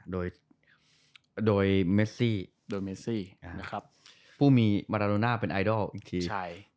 โดยเมซี่ผู้มีมาราโดน่าเป็นไอดอล